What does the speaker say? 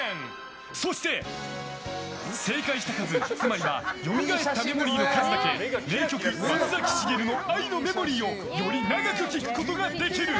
そして、正解した数つまりはよみがえったメモリーの数だけ名曲、松崎しげるの「愛のメモリー」をより長く聴くことができる。